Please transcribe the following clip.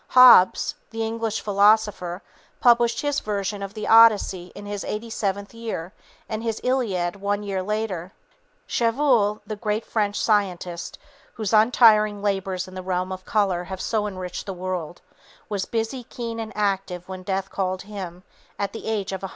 Hobbes, the English philosopher, published his version of the Odyssey in his eighty seventh year, and his Iliad one year later. Chevreul, the great French scientist, whose untiring labors in the realm of color have so enriched the world, was busy, keen and active when Death called him, at the age of 103.